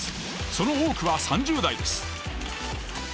その多くは３０代です。